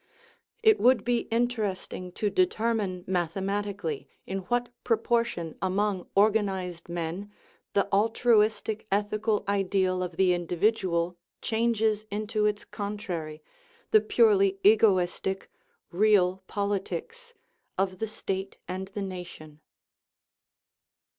It would be interesting to determine math ematically in what proportion among organized men the altruistic ethical ideal of the individual changes into its contrary, the purely egoistic "real politics" of the state and the nation.